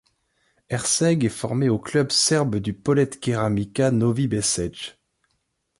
Erceg est formé au club serbe du Polet Keramika Novi Bečej.